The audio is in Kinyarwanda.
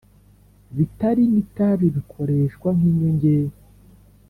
bitari n itabi bikoreshwa nk inyongera